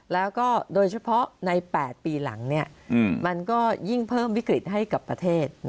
แล้วก็โดยเฉพาะใน๘ปีหลังมันก็ยิ่งเพิ่มวิกฤตให้กับประเทศ